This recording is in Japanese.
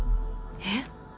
えっ？